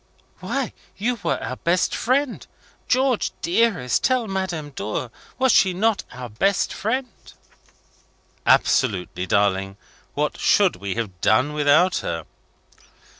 "Why, you were our best friend! George, dearest, tell Madame Dor. Was she not our best friend?" "Undoubtedly, darling. What should we have done without her?"